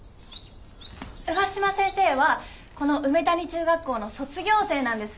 上嶋先生はこの梅谷中学校の卒業生なんです。